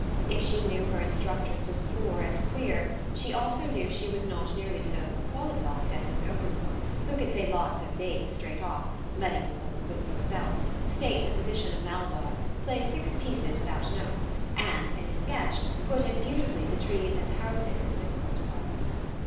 If she knew her instructress was poor and queer she also knew she was not nearly so "qualified" as Miss Overmore, who could say lots of dates straight off (letting you hold the book yourself), state the position of Malabar, play six pieces without notes and, in a sketch, put in beautifully the trees and houses and difficult parts.